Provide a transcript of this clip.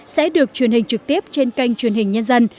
sẽ được truyền hình trực tiếp trên kênh truyền hình nhân dân